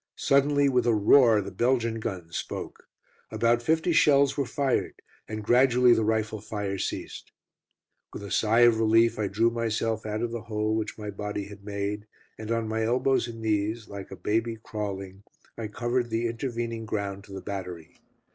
Suddenly with a roar the Belgian guns spoke. About fifty shells were fired, and gradually the rifle fire ceased. With a sigh of relief I drew myself out of the hole which my body had made, and on my elbows and knees, like a baby crawling, I covered the intervening ground to the battery.